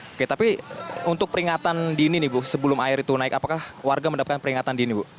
oke tapi untuk peringatan dini nih bu sebelum air itu naik apakah warga mendapatkan peringatan dini bu